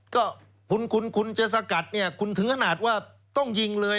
ก็คุณคุณจะสกัดเนี่ยคุณถึงขนาดว่าต้องยิงเลย